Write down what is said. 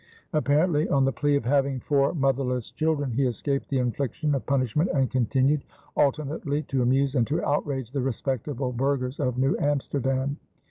Apparently, on the plea of having four motherless children, he escaped the infliction of punishment and continued alternately to amuse and to outrage the respectable burghers of New Amsterdam.